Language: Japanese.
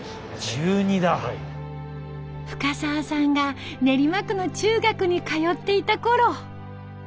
深沢さんが練馬区の中学に通っていたころ。